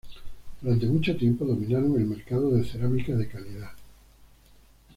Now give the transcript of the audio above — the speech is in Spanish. Durante mucho tiempo, dominaron el mercado de cerámica de calidad.